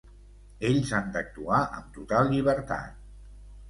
Ells han d’actuar amb total llibertat.